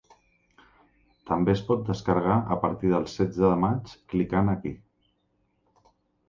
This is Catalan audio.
També es pot descarregar a partir del setze de maig clicant aquí.